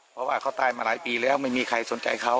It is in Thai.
เพราะว่าเขาตายมาหลายปีแล้วไม่มีใครสนใจเขา